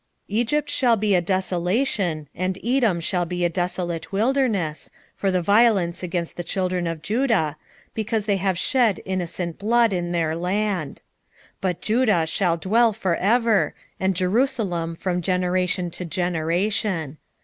3:19 Egypt shall be a desolation, and Edom shall be a desolate wilderness, for the violence against the children of Judah, because they have shed innocent blood in their land. 3:20 But Judah shall dwell for ever, and Jerusalem from generation to generation.